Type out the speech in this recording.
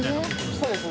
そうですね。